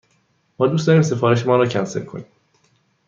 ما دوست داریم سفارش مان را کنسل کنیم.